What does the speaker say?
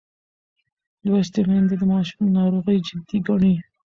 لوستې میندې د ماشوم ناروغي جدي ګڼي.